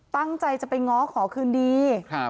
ตั้งใจจะไปง้อขอคืนดี